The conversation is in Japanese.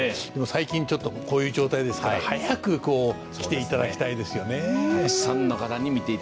最近、ちょっとこういう状態ですから早く来ていただきたいですね。